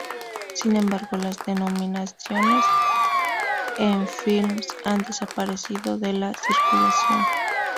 Sin embargo, las denominaciones en fils han desaparecido de la circulación.